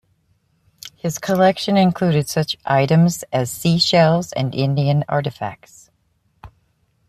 His collection included such items as sea shells and Indian artifacts.